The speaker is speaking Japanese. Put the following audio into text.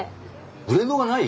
ブレンドがない？